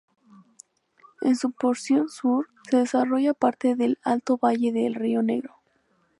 En su porción sur, se desarrolla parte del Alto Valle del río Negro.